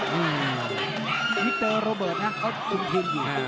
มิตเตอร์โรเบิร์ตนะเขาอุ่นทีมอยู่